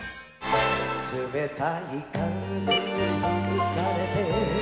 「冷たい風にふかれて」